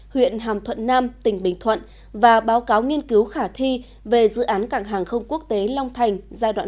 huyện hàm thuận nam tỉnh bình thuận và báo cáo nghiên cứu khả thi về dự án cảng hàng không quốc tế long thành giai đoạn một